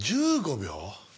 １５秒？